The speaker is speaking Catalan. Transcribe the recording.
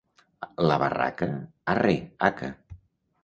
La Barraca? Arre, haca!